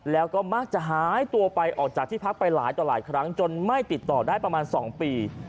แล้วก็มักจะหายตัวไปออกจากที่พักไปหลายต่อหลายครั้งจนไม่ติดต่อได้ประมาณ๒ปี